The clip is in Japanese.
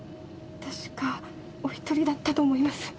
確かおひとりだったと思います。